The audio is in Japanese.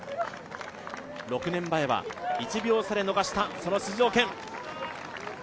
６年前は１秒差で逃した出場権。